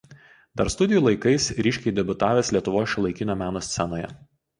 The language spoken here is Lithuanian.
Dar studijų laikais ryškiai debiutavęs Lietuvos šiuolaikinio meno scenoje.